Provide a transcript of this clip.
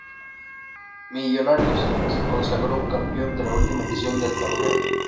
Millonarios se consagró campeón de la última edición del torneo.